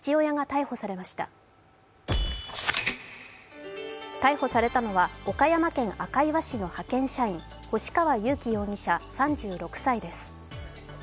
逮捕されたのは岡山県赤磐市の派遣社員、星川佑樹容疑者３６歳です。